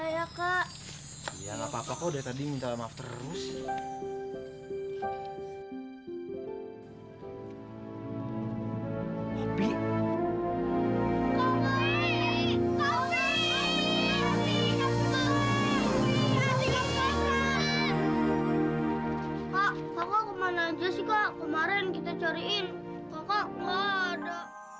kak kakak kemana aja sih kak kemarin kita cariin kakak gak ada